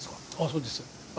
そうです。